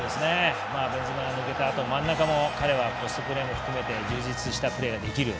ベンゼマが抜けたあと真ん中もポストプレーも含めて充実したプレーができる。